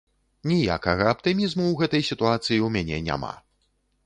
Ніякага аптымізму ў гэтай сітуацыі ў мяне няма.